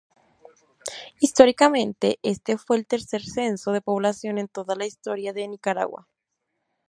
Históricamente, este fue el tercer censo de población en toda la Historia de Nicaragua.